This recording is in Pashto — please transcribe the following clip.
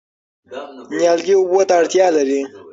نیالګي اوبو ته اړتیا لري.